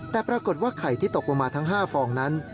แต่ปรากฏว่าไข่ที่ตกลงมาทั้ง๕ฟองนั้น